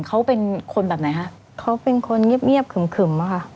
เขาเป็นคนแบบไหนฮะเขาเป็นคนเงียบเงียบขึ่มขึ่มอ่ะค่ะ